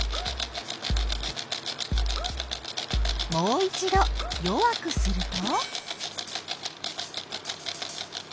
もう一ど弱くすると？